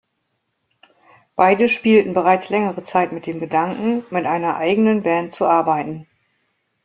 Beide spielten bereits längere Zeit mit dem Gedanken, mit einer eigenen Band zu arbeiten.